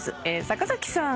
坂崎さん。